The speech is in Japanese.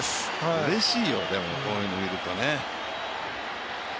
うれしいよ、こういうのを見るとね。